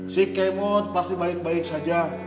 si k mod pasti baik baik saja